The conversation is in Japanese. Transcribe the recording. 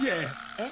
えっ？